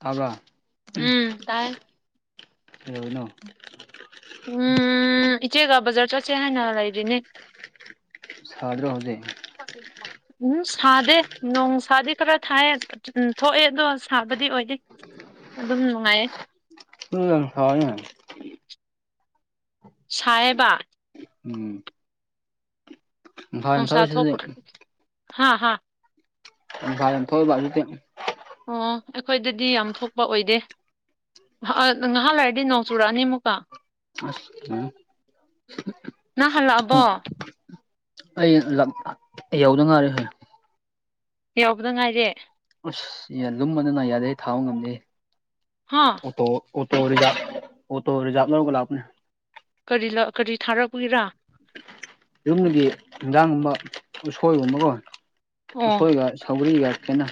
ꯇꯥꯕ꯭ꯔ ꯎꯝ ꯇꯥꯏ ꯀꯩꯗꯧꯔꯤꯅꯣ ꯎꯝ ꯏꯆꯦꯒ ꯕꯖꯥꯔ ꯆꯠꯁꯦ ꯍꯥꯏꯅ ꯂꯩꯔꯤꯅꯦ ꯁꯥꯗ꯭ꯔ‌ꯣ ꯍꯧꯖꯤꯛ ꯎꯍꯨꯝ ꯁꯥꯗꯦ ꯅꯣꯡꯁꯥꯗꯤ ꯈꯔ ꯊꯥꯏꯌ‌ꯦ [unintelligible] ꯊꯣꯛꯑꯦ ꯑꯗꯣ ꯁꯥꯕꯗꯤ ꯑꯣꯏꯗꯦ ꯑꯗꯨꯝ ꯅꯨꯡꯉꯥꯏꯌꯦ [unintelligible] ꯁꯥꯏꯌ‌ꯦꯕ ꯎꯝ ꯌꯥꯝ ꯊꯣꯛꯑꯦ ꯅꯨꯡꯁꯥ ꯁꯤꯗꯗꯤ ꯊ‌ꯣꯛꯄꯔ‌ꯣ ꯍꯥ ꯍꯥ ꯅꯨꯡꯁꯥ ꯌꯥꯝ [unintelligible] ꯑꯣ ꯑꯩꯈꯣꯏꯗꯗꯤ ꯌꯥꯝ ꯊꯣꯛꯄ ꯑꯣꯏꯗꯦ ꯉ ꯉꯍꯥꯛ ꯂꯩꯥꯔꯗꯤ ꯅꯣꯡ ꯆꯨꯔꯛꯑꯅꯤ ꯑꯃꯨꯛꯀ ꯑ [unintelligible] ꯅꯪ ꯍꯜꯂꯛ ꯑꯕꯣ ꯑꯩ ꯍꯂꯛ ꯌꯧꯗ ꯉꯥꯏꯔꯤ ꯀꯩꯅꫭ ꯌꯥꯎꯕꯗ ꯉꯥꯏꯔꯤ ꯑꯁ ꯂꯨꯝꯃꯅꯤꯅꯅꯥ [unintelligible] ꯌꯥꯗꯦ ꯊꯥꯕ ꯉꯝꯗꯦ ꯍꯥꯥ ꯑꯣ ꯑꯣꯇꯣ ꯔꯤꯖꯥꯚ ꯑꯣꯇꯣ ꯔꯤꯖꯥꯚ ꯂꯧꯔꯒ ꯂꯥꯛꯄꯅꯦ ꯀꯔꯤ ꯀꯔꯤ ꯊꯥꯔꯛꯄꯒꯤꯔꯥ ꯌꯨꯝꯗꯒꯤ ꯍꯟꯖꯥꯡꯒꯨꯝꯕ ꯎꯁꯣꯏꯒꯨꯝꯕꯀꯣ ꯑꯣ ꯎꯁꯣꯏꯒ ꯁꯧꯒꯔꯤꯒ ꯈꯦꯠꯟꯅ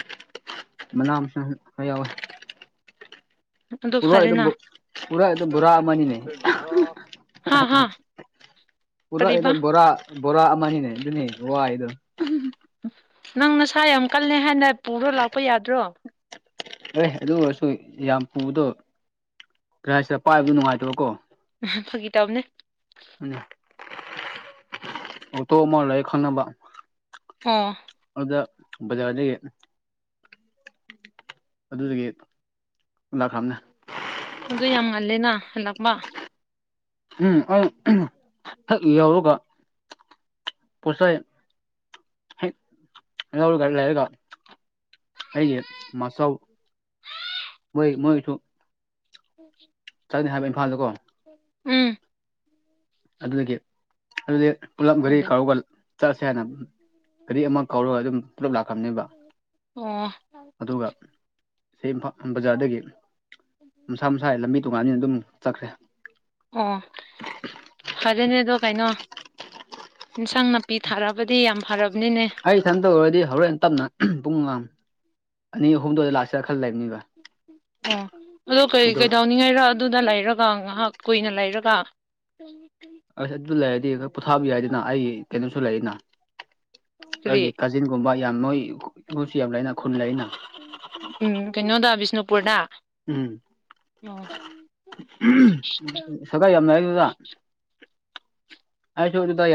ꯃꯅꯥ ꯃꯁꯤꯡ ꯈꯔꯥ ꯌꯥꯎꯋꯤ ꯑꯗꯨ ꯄꯨꯔꯥꯗ ꯐꯔꯦꯅ ꯄꯨꯔꯥ ꯑꯩ [unintelligible] ꯗ ꯕꫭꯔꯥ ꯑꯃꯅꯤꯅꯤꯅꯦ ꯍꯥ ꯍꯥ ꯄꯨꯔꯛꯏꯗꯣ ꯀꯔꯤꯕ ꯕꯣꯔꯥ ꯕꯣꯔꯥ ꯑꯃꯅꯤꯅꯦ ꯑꯗꯨꯅꯤ ꯋꯥꯏꯗꯣ ꯅꯪ ꯅꯁꯥ ꯌꯥꯝ ꯀꯜꯂꯦ ꯍꯥꯏꯅ ꯄꯨꯔ ꯂꯥꯛꯄ ꯌꯥꯗ꯭ꯔꯣ ꯑꯦ ꯑꯗꯨ ꯑꯣꯏꯔꯁꯨ ꯌꯥꯝ ꯄꯨꯕꯗꯣ ꯀꯔꯤ ꯍꯥꯏꯁꯤꯔꯥ ꯄꯥꯏꯕꯗ ꯅꯨꯡꯉꯥꯏꯇꯕꯀꯣ ꯎꯝ ꯐꯥꯒꯤ ꯇꯧꯕꯅꯦ ꯑꯣ ꯇꯣ ꯑꯃ ꯂꯩꯥꯏ ꯈꯪꯅꯕ ꯑꯥ ꯑꯗꯨꯗ ꯕꯖꯥꯔꯗꯒꯤ ꯑꯗꯨꯗꯒꯤ ꯂꯥꯛꯈ꯭ꯔꯝꯅꯦ ꯑꯗꯨ ꯌꯥꯝ ꯉꯜꯂꯦꯅ ꯍꯜꯂꯛꯄ ꯎꯝ ꯑꯩ ꯍꯦꯛ ꯌꯧꯕꯒ ꯄꯣꯠꯆꯩ ꯍꯦꯛ ꯂꯧꯔꯒ ꯂꯩꯔꯒ ꯑꯩꯒꯤ ꯃꯥꯁꯥꯎ ꯃꯣꯏ ꯃꯣꯏꯁꯨ ꯆꯠꯅꯤ ꯍꯥꯏꯕ ꯏꯝꯐꯥꯜꯗꯀꯣ ꯎꯝ ꯑꯗꯨꯗꯒꯤ ꯑꯗꯨꯗꯤ ꯄꯨꯂꯞ ꯘꯔꯤ ꯑꯗꯨꯗꯤ ꯀꯔꯧꯒ ꯆꯠꯂꯁꯦ ꯍꯥꯏꯅ ꯘꯔꯤ ꯑꯃ ꯀꯧꯔꯒ ꯑꯗꯨꯝ ꯄꯨꯂꯞ ꯂꯥꯛꯈ꯭ꯔꯝꯅꯦꯕ ꯑꯣ ꯑꯗꯨꯒ ꯁꯤ ꯏꯝꯐꯥꯜ ꯕꯖꯥꯔꯗꯒꯤ ꯃꯁꯥ ꯃꯁꯥꯏ ꯂꯝꯕꯤ ꯇꯣꯡꯉꯥꯟꯕꯅꯤꯅ ꯑꯗꯨꯝ ꯆꯠꯈ꯭ꯔꯦ ꯑꯣ ꯐꯔꯦꯅꯦ ꯑꯗꯣ ꯀꯩꯅꯣ ꯏꯟꯁꯥꯡ ꯅꯥꯄꯤ ꯊꯥꯔꯛꯑꯕꯗꯤ ꯌꯥꯝ ꯐꯔꯕꯅꯤꯅꯦ ꯁꯝ [unintelligible] ꯇꯧꯔꯗꯤ ꯍꯣꯔꯦꯟ ꯇꯞꯅ ꯄꯨꯡ ꯑꯉꯝ ꯑꯅꯤ ꯑꯍꯨꯝꯗꯣꯏꯗ ꯂꯥꯛꯁꯤꯔ ꯈꯟ ꯂꯩꯕꯅꯤꯕ ꯑꯣ ꯑꯗꯣ ꯀꯩ ꯀꯩꯗꯧꯅꯤꯡꯉꯥꯏꯔ ꯑꯗꯨꯗ ꯂꯩꯔꯒ ꯉꯥꯏꯍꯥꯛ ꯀꯨꯏꯅ ꯂꯩꯔꯒ ꯇ [unintelligible] ꯑꯁ ꯑꯗꯨ ꯂꯩꯔꯗꯤ ꯄꯣꯊꯥꯕꯤ ꯌꯥꯏꯗꯅ ꯑꯩꯒꯤ ꯀꯩꯅꯣꯁꯨ ꯂꯩꯔꯤꯅ ꯀꯔꯤ ꯑꯩꯒꯤ ꯀꯥꯖꯤꯟꯒꯨꯝꯕ ꯌꯥꯝ ꯃꯣꯏ ꯃꯣꯏꯁꯨ ꯌꯥꯝ ꯂꯩꯅ ꯈꯨꯟ ꯂꯩꯅ ꯎꯝ ꯀꯩꯅꯣꯗ ꯕꯤꯁꯅꯨꯄꯨꯔꯗ ꯎꯝ ꯑꯣ ꯁꯒꯥꯏ [unintelligible] ꯌꯥꯝ ꯂꯩꯔꯗꯨꯗ ꯑꯩꯁꯨ ꯑꯗꯨꯗꯩ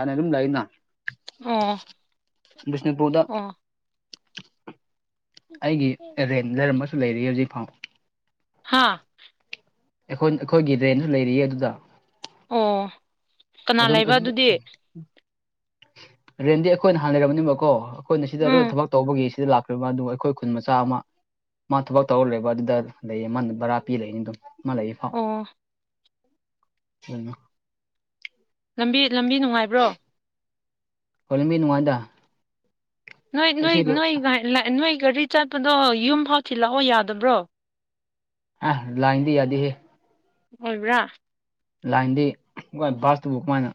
ꯍꯥꯟꯅ ꯑꯗꯨꯝ ꯂꯩꯅ ꯑꯣ ꯕꯤꯁꯅꯨꯄꯨꯔꯗ ꯑꯣ [unintelligible] ꯑꯩꯒꯤ ꯑꯦꯔꯦꯟ [unintelligible] ꯂꯩꯔꯝꯝꯕꯁꯨ ꯂꯩꯔꯤ ꯍꯧꯖꯤꯛ ꯐꯥꯎ ꯍꯥꯥ ꯑꯩꯈꯣꯏ ꯑꯩꯈꯣꯏꯒꯤ ꯔꯦꯟꯗ ꯂꯩꯔꯤꯌꯦ ꯑꯗꯨꯗ ꯑꯣ ꯀꯅꯥ ꯂꯩꯕ ꯑꯗꯨꯝꯑꯗꯨꯗꯤ ꯑꯗꯨꯗꯤ ꯔꯦꯟꯗꯤ ꯑꯩꯈꯣꯏꯅ ꯍꯥꯟꯅ ꯂꯩꯔꯕꯅꯦꯕꯀꯣ ꯑꯩꯈꯣꯏꯅ ꯁꯤꯗ ꯂꯣꯏꯅ ꯎꯝ ꯊꯕꯛ ꯇꯧꯕꯒꯤ ꯁꯤꯗ ꯂꯥꯛꯈ꯭ꯔꯦꯕ ꯑꯗꯨ ꯑꯩꯈꯣꯏ ꯈꯨꯟ ꯃꯆꯥ ꯑꯃ ꯃꯥ ꯊꯕꯛ ꯇꯧꯔ ꯂꯩꯕ ꯑꯗꯨꯗ ꯂꯩꯌꯦ ꯃꯥꯅ ꯕꯔꯥ ꯄꯤ ꯂꯩꯅꯤ [unintelligible] ꯑꯗꯨꯝ ꯃꯥꯂꯩꯔꯤꯐꯥꯎ ꯑꯣ ꯎ [unintelligible] ꯂꯝꯕꯤ ꯂꯝꯕꯤ ꯅꯨꯡꯉꯥꯏꯕ꯭ꯔꯣ ꯍꫭꯏ ꯂꯝꯕꯤ ꯅꯨꯡꯉꯥꯏꯗ ꯅꯣꯏ ꯑꯁꯤ ꯅꯣꯏ ꯅꯣꯏ ꯅꯣꯏ ꯘꯔꯤ ꯆꯠꯄꯗꯣ ꯌꯨꯝꯐꯥꯎ ꯊꯤꯜꯂꯛꯑꯣ ꯌꯥꯗꯕ꯭ꯔꯣ ꯑꯥ ꯂꯥꯏꯟꯗꯤ ꯌꯥꯗꯦ ꯍꯦ ꯑꯣꯏꯕ꯭ꯔꯥ ꯂꯥꯏꯟꯗꯤ ꯀ ꯕꯥꯁꯇꯨꯕꯨ ꯀꯃꯥꯏꯅ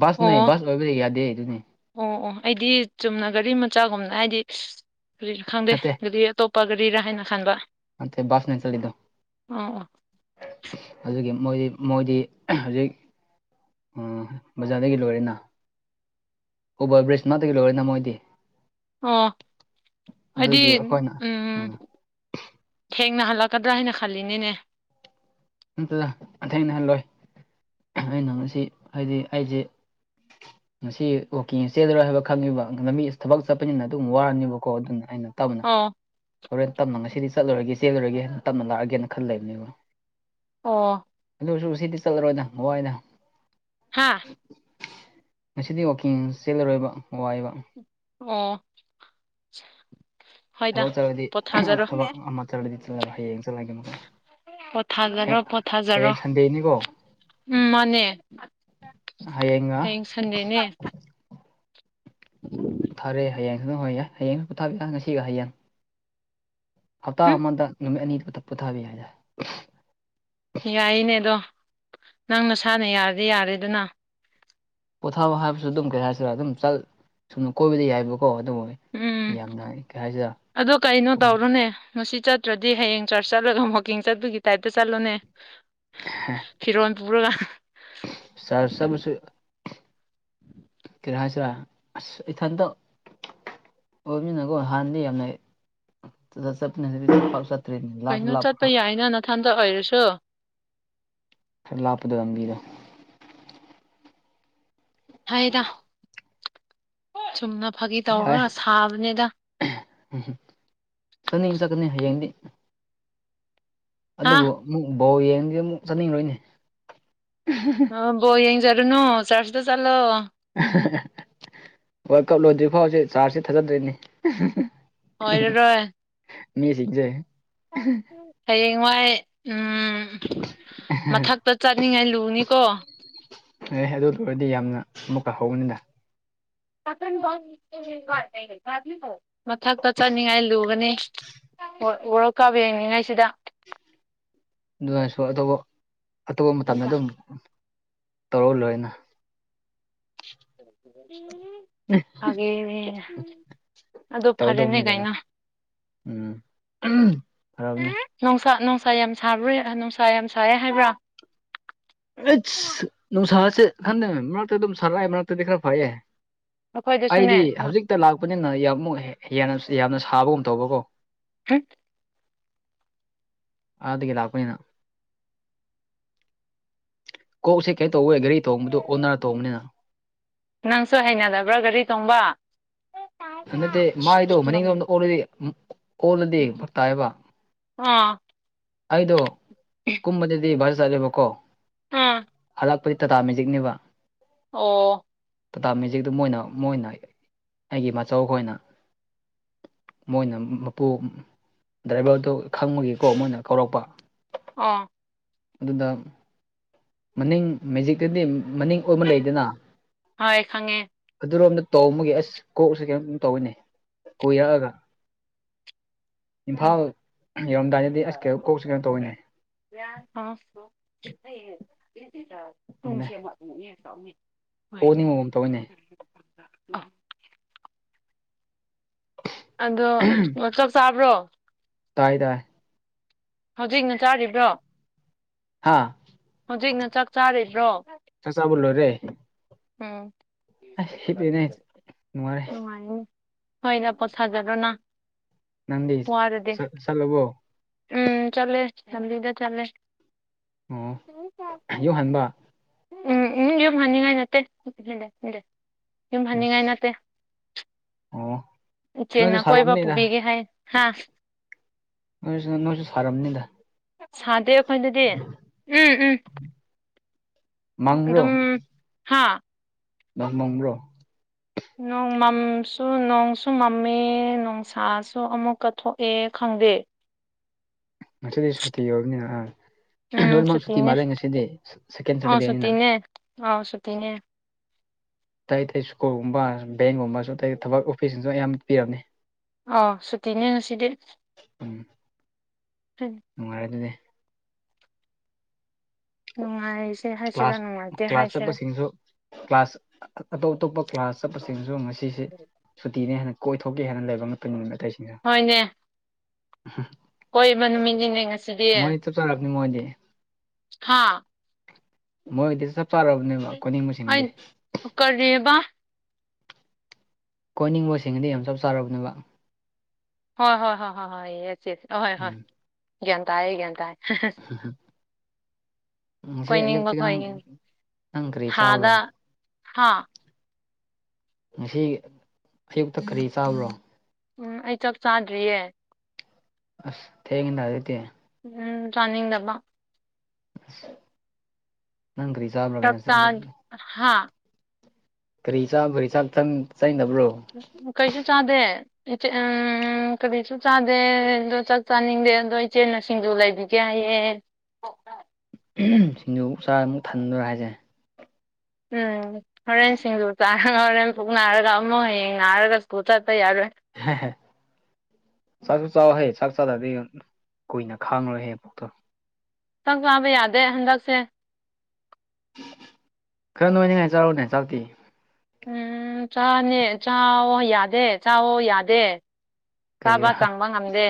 ꯕꯁ ꯅꯦ ꯑꯣ ꯕꯁ ꯑꯣꯏꯕꯗꯤ ꯌꯥꯗꯦ ꯑꯗꯨꯅꯤ ꯑꯣ ꯑꯣ ꯑꯩꯗꯤ ꯆꯨꯝꯅ ꯒꯥꯔꯤ ꯃꯆꯥꯒꯨꯝꯅ ꯍꯥꯏꯗꯤ ꯀꯔꯤꯔ ꯈꯪꯗꯦ ꯅꯠꯇꯦ ꯒꯥꯔꯤ ꯑꯇꯣꯞꯄ ꯒꯔꯤꯔꯥ ꯍꯥꯏꯅ ꯈꯟꯕ ꯅꯠꯇꯦ ꯕꯥꯁꯅꯦ ꯆꯜꯂꯤꯗꯨ ꯑꯣ ꯑꯣ ꯑꯗꯨꯒꯤ ꯃꯣꯏꯗꯤ ꯃꯣꯏꯗꯤ ꯍꯧꯖꯤꯛ ꯎꯝ ꯕꯖꯥꯔꯗꯒꯤ ꯂꯣꯏꯔꯦꯅ ꯎꯕꯔ ꯕ꯭ꯔꯤꯖ ꯉꯛꯇꯒꯤ ꯂꯣꯏꯔꯦꯅ ꯃꯣꯏꯗꯤ ꯑꯣ ꯑꯩꯗꯤ ꯑꯗꯨꯒꯤ ꯑꯩꯈꯣꯏꯅ ꯎꯝ ꯊꯦꯡꯅ ꯍꯜꯂꯛꯀꯗ꯭ꯔꯥ ꯍꯥꯏꯅ ꯈꯜꯂꯤꯅꯤꯅꯦ ꯅꯠꯇꯦꯗ ꯑꯊꯦꯡꯅꯍꯜꯂꯣꯏ ꯑꯩꯅ ꯉꯁꯤ ꯍꯥꯏꯗꯤ ꯑꯩꯁꯦ [unintelligible] ꯉꯁꯤ ꯋꯥꯀꯤꯡ ꯆꯦꯜꯂꯔꯣꯏ ꯍꯥꯏꯕ ꯈꯪꯉꯤꯕ ꯂꯝꯕꯤ ꯊꯕꯛ ꯆꯠꯄꯅꯤꯅ ꯑꯗꯨꯝ ꯋꯥꯔꯅꯦꯕꯀꯣ ꯑꯗꯨꯅ ꯑꯩꯅ ꯇꯝꯃ ꯑꯣ ꯍꯣꯔꯦꯟ ꯇꯞꯅ ꯉꯁꯤꯗꯤ ꯆꯠꯂꯔꯣꯏꯒꯦ ꯆꯦꯜꯂꯔꯣꯏꯒꯦ ꯍꯥꯏꯅꯥ ꯇꯞꯅ ꯂꯥꯛꯔꯒꯦꯅ ꯈꯜꯂꯩꯕꯅꯦꯕ ꯑꯣ ꯑꯗꯨꯁꯨ ꯁꯤꯗꯤ ꯆꯠꯂꯔꯣꯏꯗ ꯃꯋꯥꯏꯗ ꯍꯥꯥ ꯉꯁꯤꯗꯤ ꯋꯥꯛꯀꯤꯡ ꯆꯦꯜꯂꯔꯣꯏꯕ ꯋꯥꯏꯕ ꯑꯣ ꯍꯣꯏꯗ ꯊꯕꯛ ꯆꯠꯂꯗꯤ ꯄꯣꯊꯥꯖꯔꯣ ꯊꯕꯛ ꯑꯃ ꯆꯠꯂꯗꯤ ꯆꯠꯂꯔꯣ ꯍꯌꯦꯡ ꯆꯠꯂꯒꯦ ꯃꯈ ꯍꯌꯦ ꯄꯣꯊꯥꯖꯔꯣ ꯄꯣꯊꯥꯖꯔꯣ ꯍꯌꯦꯡ ꯁꯟꯗꯦꯅꯤꯀꯣ ꯎꯝ ꯃꯅꯦ ꯍꯌꯦꯡꯉ ꯁꯟꯗꯦꯅꯦ [unintelligible] ꯄꯣꯊꯥꯔꯦ ꯍꯌꯦꯡꯁꯨꯅ ꯍꯣꯏ ꯌꯥꯏ ꯍꯌꯦꯡꯁꯨ ꯄꯣꯊꯕꯤꯔ ꯉꯁꯤꯒ ꯍꯌꯦꯡ ꯍꯞꯇꯥ ꯎꯝ ꯑꯃꯗ ꯅꯨꯃꯤꯠ ꯑꯅꯤꯗꯨ ꯄꯣꯊꯥꯕ ꯌꯥꯏꯗ ꯌꯥꯏꯅꯦ ꯑꯗꯣ ꯅꯪ ꯅꯁꯥꯅ ꯌꯥꯔꯗꯤ ꯌꯥꯔꯦ ꯑꯗꯨꯅ ꯄꯣꯊꯥꯕ ꯍꯥꯏꯕꯁꯨ ꯑꯗꯨꯝ ꯀꯩ ꯍꯥꯏꯁꯤꯔ ꯑꯗꯨꯝ ꯆꯠ ꯁꯨꯝꯅ ꯀꯣꯏꯕꯗꯤ ꯌꯥꯏꯕꯀꯣ ꯑꯗꯨ ꯑꯣꯏ ꯎꯝ ꯑꯗꯣ ꯀꯩꯅꯣ ꯎꯝ ꯇꯧꯔꯣꯅꯦ ꯉꯁꯤ ꯆꯠꯇ꯭ꯔꯗꯤ ꯍꯌꯦꯡ ꯆꯔꯆ ꯆꯠꯂꯒ ꯋꯥꯛꯀꯤꯡ ꯆꯠꯄꯒꯤ ꯇꯥꯏꯞꯇ ꯆꯠꯂꯣꯅꯦ ꯍꯦ ꯐꯤꯔꯣꯜ ꯄꯨꯔꯒ ꯆꯔꯆ ꯆꯠꯕꯁꯨ ꯀꯔꯤ ꯍꯥꯏꯁꯤꯔꯥ ꯑꯁ ꯏꯊꯟꯗ ꯑꯣꯃꯤꯅꯒꯣ ꯍꯥꯟꯅꯗꯤ ꯌꯥꯝꯅ ꯆꯆ ꯆꯠꯄꯅꯦ ꯍꯧꯖꯤꯛꯇꯤ ꯄꯥꯛ ꯆꯠꯇ ꯀꯩꯅꯣ ꯆꯠꯄ ꯌꯥꯏꯅ ꯅꯊꯟꯗ ꯑꯣꯏꯔꯁꯨ ꯈꯔ ꯂꯥꯞꯄꯗ ꯂꯝꯕꯤꯗꯣ ꯍꯥꯏꯗ ꯆꯨꯝꯅ ꯐꯥꯒꯤ ꯇꯧꯔꯒ ꯁꯥꯕꯅꯤꯗ ꯎꯝ ꯆꯠꯅꯤꯡ ꯆꯠꯀꯅꯤ ꯍꯌꯦꯡꯗꯤ ꯍꯥ ꯑꯗꯨꯕꯨ ꯑꯃꯨꯛ ꯕꯧ ꯌꯦꯡꯗꯤ ꯑꯃꯨꯛ ꯆꯠꯅꯤꯡꯔꯣꯏꯅꯦ ꯑꯣꯕꯣ ꯌꯦꯡꯖꯔꯨꯅꯨ ꯆꯥꯔꯁꯤꯗ ꯆꯠꯂꯣ ꯍꯣꯏ ꯀꯞ ꯂꯣꯏꯗ꯭ꯔꯤ ꯐꯥꯎꯁꯦ ꯆꯥꯔꯖꯁ ꯊꯥꯖꯗ꯭ꯣꯏꯅꯤ ꯍꯣꯏꯔꯣ ꯔꯣꯏ ꯃꯤꯁꯤꯈꯦ ꯍꯌꯦꯡꯋꯥꯏ ꯃꯊꯛꯇ ꯆꯠꯅꯤꯡꯉꯥꯏ ꯂꯨꯅꯤꯀꯣ ꯑꯦ ꯑꯗꯨ ꯂꯣꯏꯔꯗꯤ ꯌꯥꯝꯅ ꯑꯃꯨꯛꯀ ꯍꯧꯕꯅꯤꯗ ꯃꯊꯛꯇ ꯆꯠꯅꯤꯡꯉꯥꯏ ꯂꯨꯒꯅꯤ ꯍ ꯎꯔꯛ ꯀꯥꯕ ꯌꯦꯡꯅꯤꯡꯉꯩꯁꯤꯗ ꯑꯗꯨꯅꯁꯨ ꯑꯇꯣꯞꯄ ꯑꯇꯣꯞꯄ ꯃꯇꯝꯗ ꯑꯗꯨꯝ ꯇꯧꯔꯛ ꯂꯣꯏꯅ [unintelligible] ꯍꯥꯏꯦ ꯑꯗꯣ ꯐꯔꯦꯅꯦ ꯇꯧꯗꯧꯅꯤ ꯀꯩꯅꯣ ꯀꯥꯏꯅ ꯎꯝ ꯐꯔꯞꯅꯦ ꯅꯨꯡꯁꯥ ꯅꯨꯡꯁꯥ ꯌꯥꯝ ꯁꯥꯕ꯭ꯔꯣꯏ ꯅꯨꯡꯁꯥ ꯌꯥꯝ ꯁꯥꯏꯌꯦ ꯍꯥꯏꯕ꯭ꯔꯥ ꯑꯩꯁ ꯅꯨꯡꯁꯥꯥꯁꯦ ꯈꯟꯗꯦꯅꯦ ꯃꯔꯛꯇ ꯑꯗꯨꯝ ꯁꯥ ꯂꯛꯑ ꯃꯔꯛꯇꯗꯤ ꯈꯔ ꯐꯩꯌꯦ ꯑꯩꯈꯣꯏꯗꯁꯨꯅꯦ ꯑꯩꯗꯤ ꯍꯝ ꯍꯧꯖꯤꯛꯇ ꯂꯥꯛꯄꯅꯤꯅ ꯌꯥꯝꯛ ꯌꯥꯝꯅ ꯁꯥꯕꯒꯨꯝ ꯇꯧꯕꯀꯣ ꯍ ꯑ ꯑꯗꯨꯗꯒꯤ ꯂꯥꯛꯄꯅꯤꯅ ꯀꯣꯛꯁꯦ ꯀꯩ ꯇꯧꯋꯦ ꯒꯥꯔꯤ ꯇꯣꯡꯕꯗꯨ ꯑꯣꯅꯥꯔ ꯇꯣꯡꯕꯅꯤꯅ ꯅꯪꯁꯨ ꯍꯩꯅꯗꯕ꯭ꯔꯥ ꯒꯥꯔꯤ ꯇꯣꯡꯕ ꯅꯠꯇꯦ ꯃꯥꯏꯗꯣ ꯃꯅꯤꯡꯗꯣ ꯑꯝꯗ ꯑꯣꯜꯂꯗꯤ ꯑꯣꯜꯂꯗꯤ ꯐꯛꯛꯇꯥꯏꯕ ꯑꯥ ꯑꯗꯣ ꯀꯨꯝꯗꯗꯤ ꯁꯁꯔꯦꯕꯣ ꯍꯥꯥ ꯂꯥꯛꯄꯗꯤ ꯇꯥꯇꯥ ꯃꯦꯖꯤꯛꯅꯦꯕ ꯑꯣ ꯇꯥꯇꯥ ꯃꯦꯖꯤꯛꯇꯨ ꯃꯣꯏꯅ ꯃꯣꯏꯅ ꯑꯩꯒꯤ ꯃꯆꯧ ꯈꯣꯏꯅ ꯃꯣꯏꯅ ꯃꯄꯨ ꯗ꯭ꯔꯥꯏꯚꯔꯗꯨꯣ ꯈꯪꯕꯒꯀꯣ ꯃꯣꯏꯅ ꯀꯧꯔꯛꯄ ꯑꯥ ꯑꯗꯨꯗ ꯃꯅꯤꯡ ꯃꯦꯖꯤꯛꯇꯗꯤ ꯃꯅꯤꯡ ꯑꯣꯏꯕ ꯂꯩꯗꯅ ꯍ ꯈꯪꯉꯦ ꯑꯗꯨꯔꯣꯝꯗ ꯇꯧꯃꯒꯤ ꯑꯁ ꯀꯣꯛꯁꯨ ꯀꯩꯝꯇ ꯇꯧꯤꯅꯦ ꯀꯣꯏꯔꯛꯑꯒ ꯏꯝꯐꯥꯜ ꯌꯧꯔꯝꯗꯥꯏꯗꯗꯤ ꯑꯁ ꯀ ꯀꯣꯛꯁꯤ ꯀꯩꯅꯣ ꯇꯧꯤꯅꯦ [unintelligible] ꯀꯣ ꯅꯤꯡ ꯃꯝ ꯇꯧꯅꯦ [unintelligible] ꯑꯗꯣ ꯆꯥꯛ ꯆꯥꯕ꯭ꯔꯣ ꯇꯥꯏꯗ ꯍꯧꯖꯤꯛꯅ ꯆꯥꯔꯤꯕ꯭ꯔꯣ ꯍꯥꯥ ꯍꯧꯖꯤꯛꯅ ꯆꯥꯛ ꯆꯥꯔꯤꯕ꯭ꯔꯣ ꯆꯁꯥꯕꯣꯂꯣ ꯔꯦ ꯍꯤꯞꯄꯤꯅꯦ ꯅꯨꯡꯉꯥꯏꯔꯦ ꯎꯝꯅꯨꯡꯉ ꯍꯣꯏ ꯂ ꯄꯣꯠ ꯁꯥꯖꯔꯣꯅ ꯅꯟꯗꯤ ꯁꯂꯕꯣ ꯆꯂꯦ ꯆꯗꯤꯗ ꯆꯂꯦ ꯑꯣ ꯌꯣꯛ ꯍꯟꯕ ꯎꯝ ꯎꯝ ꯌꯨꯝ ꯍꯅꯤꯡꯉꯥꯏ ꯅꯠꯇꯦ ꯌꯨꯝ ꯑꯁ ꯍꯅꯤꯡꯉꯥꯏ ꯅꯠꯇꯦ ꯑꯣ ꯏꯆꯦꯅ ꯅꯣꯏꯁꯨ ꯀꯣꯏꯕ ꯁꯥꯔꯝꯅꯤꯗ ꯄꯨꯕꯤꯒꯦ ꯍꯥꯏ ꯍꯥꯥ ꯅꯣꯏꯁꯤꯅ ꯅꯣꯏꯁꯨ ꯁꯥꯔꯝꯅꯤꯗ ꯁꯥꯗꯦ ꯑꯩꯈꯣꯏꯅꯗꯤ ꯎꯝ ꯎꯝ ꯃꯪꯕ꯭ꯔꯣ ꯑꯗꯨꯝ ꯍꯥꯥ ꯅ ꯃꯪ꯭ꯔꯣ ꯅꯣꯡ ꯃꯝꯁꯨ ꯅꯣꯡꯁꯨ ꯃꯝꯃꯦ ꯅꯣꯡꯁꯥꯁꯨ ꯑꯃꯨꯛꯀꯊꯣꯛꯑꯦ ꯈꯪꯗꯦ ꯉꯁꯤꯗꯤ ꯁꯨꯇꯤ ꯑꯣꯏꯕꯅꯤꯅ ꯑ ꯎꯝ ꯂꯣꯏꯅꯃꯛ ꯁꯨꯇꯤ ꯁꯨꯇꯤꯅꯦ ꯃꯥꯜꯂꯦ ꯉꯁꯤꯗꯤ ꯁꯦꯀꯦꯟ ꯁꯇꯔꯗꯦꯅꯤꯅ ꯍꯥꯎ ꯁꯇꯅꯦ ꯑꯇꯩ ꯑꯇꯩ ꯁ꯭ꯀꯨꯜꯒꯨꯝꯕ ꯕꯦꯡꯒꯨꯝꯕꯁꯨ ꯑꯇꯩ ꯊꯕꯛ ꯑꯣꯐꯤꯁꯁꯤꯡꯁꯨ ꯑꯌꯥꯝ ꯄꯤꯔꯝꯅꯤ ꯑꯥ ꯁꯨꯇꯤꯅꯦ ꯉꯁꯤꯗꯤ ꯅꯨꯡꯉꯥꯢꯕꯅꯦ ꯅꯨꯡꯉꯥꯏ ꯀ꯭ꯂꯥꯁ ꯀ꯭ꯂꯥꯁ ꯆꯠꯄ ꯁꯤꯡꯁꯨ ꯀ꯭ꯂꯥꯁ ꯑꯇꯣꯞ ꯑꯇꯣꯞꯄ ꯀ꯭ꯂꯥꯁ ꯆꯠꯄꯁꯤꯡꯁꯨ ꯉꯁꯤꯁꯤ ꯁꯨꯇꯤꯅꯤ ꯍꯥꯢꯅ ꯀꯣꯏꯊꯣꯛꯀꯦ ꯍꯥꯏꯅ ꯂꯩꯕ ꯉꯛꯇꯅꯤ ꯑꯇꯩꯁꯤꯡꯅ ꯎꯍꯝ ꯀꯣꯢꯕ ꯅꯨꯃꯤꯠꯅꯤꯅꯦ ꯉꯁꯤꯗꯤ ꯆꯥꯔꯕꯅꯤ ꯃꯣꯏꯗꯤ ꯍꯥ ꯃꯣꯏ ꯗꯤ ꯆꯞ ꯆꯔꯕꯅꯤ ꯑꯩ ꯀꯔꯤꯕꯥ ꯀꯣꯏꯅꯤꯡꯕꯁꯤꯡꯒꯤꯗꯤ ꯌꯥꯝ ꯆꯞ ꯆꯥꯔꯕꯅꯦꯕ ꯍꯣꯏ ꯍꯣꯏ ꯍꯣꯏ ꯍꯣꯏ ꯍꯣꯏ ꯌꯦꯁ ꯌꯦꯁ ꯑꯍꯣꯏ ꯍꯣꯏ ꯎꯝ ꯒ꯭ꯌꯥꯟ ꯇꯥꯏꯌꯦ ꯒ꯭ꯌꯥꯟ ꯇꯥꯏꯌꯦ ꯍꯝ ꯍꯝ ꯉꯁꯥꯏ ꯑꯌꯨꯛꯇꯤ ꯀꯣꯏꯅꯤꯡꯕ ꯅꯪ ꯀꯣꯏꯅꯤꯡ ꯅꯪ ꯀꯔꯤ ꯆꯥꯎꯔꯣ ꯍꯥꯥ ꯉꯁꯤ ꯑꯌꯨꯛꯇ ꯀꯔꯤ ꯆꯥꯕ꯭ꯔꯣ ꯎꯝ ꯑꯩ ꯆꯥꯛ ꯆꯥꯗ꯭ꯔꯤꯌꯦ ꯑꯁ ꯊꯦꯡꯉꯤꯅ ꯑꯗꯨꯗꯤ ꯎꯝ ꯆꯥꯅꯤꯡꯗꯕ [inaudible] ꯅꯪ ꯀꯔꯤ ꯆꯥ ꯆꯥꯛ ꯆꯥꯢ ꯍꯥꯥ ꯀꯔꯤ ꯆꯥꯕꯩ ꯆꯥꯛ ꯆꯥꯅꯤꯡꯗꯕ꯭ꯔꯣ ꯀꯩꯁꯨ ꯆꯥꯗꯦ ꯏꯆꯦ ꯎꯝ ꯀꯔꯤꯁꯨ ꯆꯥꯗꯦ ꯑꯗꯣ ꯆꯥꯛ ꯆꯥꯅꯤꯡꯗꯦ ꯑꯗꯣ ꯏꯆꯦꯟꯅ ꯁꯤꯡꯖꯨ ꯂꯩꯕꯤ ꯒꯦ ꯍꯥꯏꯌꯦ ꯁꯤꯡꯖꯨ ꯃꯨꯛ ꯆꯥꯔꯥ ꯊꯟꯗꯣꯔꯣ ꯍꯥꯏꯁꯦ ꯎꯝ ꯍꯣꯔꯦꯟ ꯁꯤꯡꯖꯨ ꯆꯥꯔꯒ ꯍꯣꯔꯦꯟ ꯄꯨꯛ ꯅꯥꯔꯒ ꯑꯃꯨꯛ ꯍꯌꯦꯡ ꯅꯥꯔꯒ ꯁ꯭ꯀꯨꯜ ꯆꯠꯄ ꯌꯥꯔꯣꯏ ꯍꯦꯍꯦ ꯆꯥꯛꯁꯨ ꯆꯥꯎ ꯍꯦ ꯆꯥꯛ ꯆꯥꯗꯗꯤ ꯀꯨꯏꯅ ꯈꯥꯡꯉꯣꯏꯍꯦ ꯄꯨꯛꯇꯣ ꯆꯥꯛ ꯆꯥꯕ ꯌꯥꯗꯦ ꯍꯟꯗꯛꯁꯦ ꯈꯔ ꯅꯣꯏꯅꯤꯡꯉꯥꯏ ꯆꯥꯎꯅꯦ ꯆꯥꯛꯇꯤ ꯎꯝ ꯆꯥꯅꯦ ꯆꯥꯑꯣ ꯌꯥꯗꯦ ꯆꯥꯋꯣ ꯌꯥꯗꯦ ꯆꯥꯕ ꯀꯩꯒꯤꯔꯥ ꯆꯪꯕ ꯉꯝꯗꯦ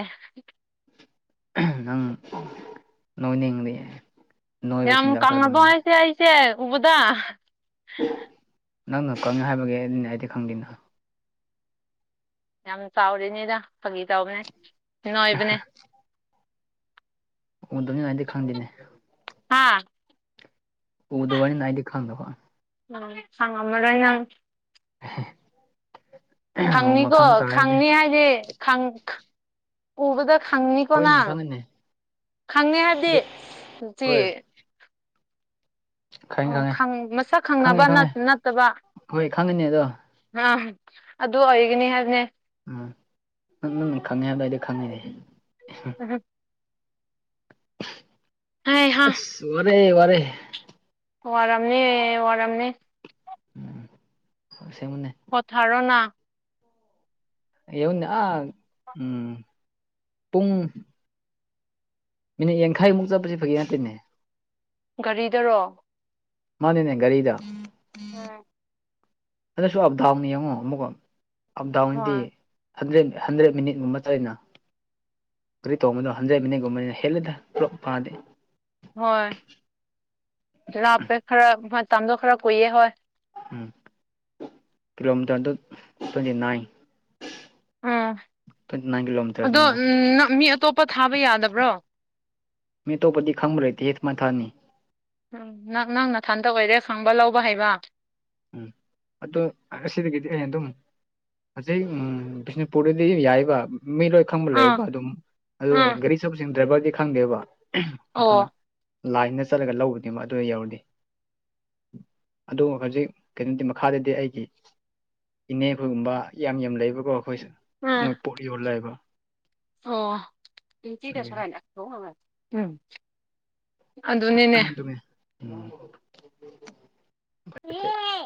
ꯑꯍꯝ ꯅꯪ ꯅꯣꯏꯅꯤꯡꯉꯗꯤ ꯌꯥꯝ ꯀꯪꯉꯕꯣ ꯍꯥꯏꯁꯦ ꯑꯩꯁꯦ ꯎꯕꯗ ꯅꯪꯅ ꯀꯪꯉꯦ ꯍꯥꯏꯕꯒꯤ ꯍꯥꯢꯔꯤꯅꯦ ꯑꯩꯗꯤ ꯈꯪꯗꯦꯅ ꯌꯥꯝ ꯆꯥꯎꯔꯤꯅꯦꯗ ꯐꯥꯒꯤ ꯇꯧꯕꯅꯦ ꯅꯣꯏꯕꯅꯦ ꯎꯗꯅꯤꯉꯥꯏꯗꯤ ꯈꯪꯗꯦꯅꯦ ꯍꯥꯥ ꯎꯗꯕꯅꯤꯅ ꯑꯩꯗꯤ ꯈꯪꯗꯕ ꯎꯝ ꯈꯪꯉꯝꯃꯔꯣꯏ ꯅꯪ [unintelligible] ꯈꯪꯅꯤꯀꯣ ꯈꯪꯕ ꯇꯥꯔꯦ ꯑꯗꯨꯗꯤ ꯈꯪꯅꯤ ꯍꯥꯏꯗꯤ ꯈꯪ ꯎꯕꯗ ꯈꯪꯅꯤꯀꯣ ꯍꯣꯏꯅꯦ ꯅꯪ ꯈꯪꯉꯅꯤ ꯈꯪꯉꯦ ꯍꯥꯏꯕꯗꯤ ꯑꯗꯨ ꯆꯤ ꯍꯣꯏ ꯈꯪꯉꯦ ꯑꯣ ꯈꯪꯉꯦ ꯈꯪ ꯃꯁꯛ ꯈꯪꯉꯦ ꯈꯪꯅꯕ ꯈꯪꯉꯦ ꯅꯠꯇꯕ ꯍꯣꯏ ꯈꯪꯉꯤꯅꯦ ꯑꯗꯣ ꯑꯤ ꯑꯗꯨ ꯑꯣꯏꯒꯅꯤ ꯍꯥꯏꯕꯅꯦ ꯎꯝ ꯅꯪ ꯅꯪ ꯈꯪꯉꯤ ꯍꯥꯏꯕꯗꯨ ꯑꯩꯗꯤ ꯈꯪꯉꯤꯅꯦ [inaudible] ꯍꯩꯍꯥ ꯑꯁ ꯋꯥꯔꯦ ꯋꯥꯔꯦ ꯋꯥꯔꯝꯅꯤ ꯋꯥꯔꯝꯅꯤ ꯎꯝ ꯑꯁꯦꯡꯕꯅꯦ ꯄꯣꯊꯔꯣꯅꯥ ꯌꯅꯣꯛ ꯑ ꯎꯝ ꯄꯨꯡ ꯃꯤꯅꯤꯠ ꯌꯥꯡꯈꯩꯃꯨꯛ ꯆꯠꯄꯁꯤ ꯐꯒꯤ ꯅꯠꯇꯦꯅꯦ ꯒꯥꯔꯤꯗꯔꯣ ꯃꯥꯅꯤꯅꯦ ꯒꯥꯔꯤꯗ ꯎꯝ ꯑꯗꯨꯁꯨ ꯑꯞ ꯗꯥꯎꯟ ꯌꯦꯡꯉꯣ ꯑꯃꯨꯛꯀ ꯑꯞ ꯗꯥꯎꯟꯗꯤ ꯍꯣꯏ ꯍꯟꯗ꯭ꯔꯦꯠ ꯍꯟꯗ꯭ꯔꯦꯠ ꯃꯤꯅꯤꯠ ꯃꯨꯝꯕ ꯆꯅ ꯀꯔꯤ ꯇꯧꯕꯅꯣ ꯍꯟꯗ꯭ꯔꯦ ꯃꯤꯅꯤꯠꯒꯨꯝꯕꯅꯤꯅ ꯍꯦꯂꯦꯗ ꯄꯨꯂꯞ ꯐꯥꯗꯦ ꯍꯣꯏ ꯂꯥꯞꯄꯦ ꯈꯔ ꯍꯣꯏ ꯃꯇꯝꯗꯣ ꯈꯔ ꯀꯨꯏꯑꯦ ꯍꯣꯏ ꯎꯝ ꯀꯤꯂꯣꯃꯤꯇꯔ ꯗ ꯇ꯭ꯋꯦꯟꯇꯤ ꯅꯥꯏꯜ ꯎꯥ ꯑꯗꯣ ꯅꯪ ꯃꯤ ꯑꯇꯣꯞꯄ ꯊꯥꯕ ꯌꯥꯗꯕ꯭ꯔꯣ ꯃꯤ ꯑꯇꯣꯞꯄꯗꯤ ꯈꯪꯕ ꯂꯩꯇꯤꯌꯦ ꯄꯜꯃ ꯊꯥꯅꯤ ꯎꯝ ꯅꯪ ꯅꯪ ꯅꯊꯟꯇ ꯑꯣꯏꯔꯦ ꯈꯪꯕ ꯂꯧꯕ ꯍꯩꯕ ꯎꯝ ꯑꯗꯣ ꯑꯁꯤꯗꯒꯤꯗꯤ ꯑꯩ ꯑꯗꯨꯝ ꯍꯧꯖꯤꯛ ꯎꯝ ꯕꯤꯁꯅꯨꯄꯨꯔꯗꯗꯤ ꯌꯥꯏꯕ ꯃꯤ ꯂꯣꯏ ꯈꯪꯕ ꯑꯥ ꯂꯩꯌꯦꯕ ꯑꯗꯨꯝ ꯑꯗꯨ ꯑꯥ ꯒꯥꯔꯤ ꯆꯠꯄꯁꯤꯡ ꯗ꯭ꯔꯥꯏꯚꯔꯗꯤ ꯈꯪꯗꯦꯕ ꯑꯗꯨꯅ ꯑꯣ ꯂꯥꯏꯟꯗ ꯆꯠꯂꯒ ꯂꯧꯕꯗꯤꯃꯛ ꯑꯗꯨꯗ ꯌꯧꯔꯗꯦ ꯑꯗꯨ ꯍꯧꯖꯤꯛ ꯀꯩꯅꯣꯗꯤ ꯃꯈꯥꯗꯗꯤ ꯑꯩꯒꯤ ꯏꯅꯦꯈꯣꯏꯒꯨꯝꯕ ꯌꯥꯝ ꯌꯥꯝ ꯂꯩꯕꯀꯣ ꯑꯩꯈꯣꯏ ꯑꯥ ꯃꯣꯏ ꯄꯣꯠ ꯌꯣꯜꯂꯑꯕ ꯑꯣ ꯏ ꯆꯤꯀ ꯁꯔꯥꯛ [unintelligible] ꯑꯗꯨꯅꯤꯅꯦ ꯎꯝ [unintelligible] ꯎ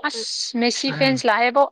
ꯑꯁ ꯃꯦꯁꯤ ꯎꯝ ꯐꯦꯟꯁ ꯂꯥꯛꯑꯦꯕꯣ